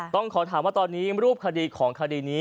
ต้องขอถามว่าตอนนี้รูปคดีของคดีนี้